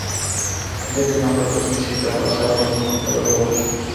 ঈদের দিন আমরা পেতাম সেই টাকা, সারা দিন নতুন টাকার গন্ধ শুঁকতাম।